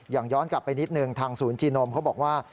ย้อนกลับไปนิดนึงทางศูนย์จีนมเขาบอกว่า